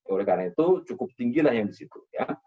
oleh karena itu cukup tinggi lah yang di situ